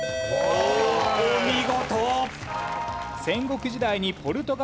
お見事。